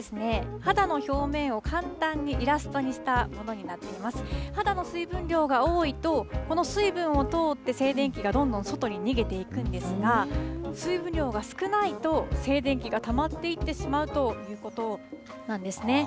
肌の水分量が多いと、この水分を通って静電気がどんどん外に逃げていくんですが、水分量が少ないと、静電気がたまっていってしまうということなんですね。